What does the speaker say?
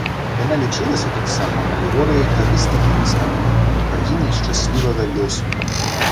Яна лічылася таксама алегорыяй карысных рыс агню, багіняй шчаслівага лёсу.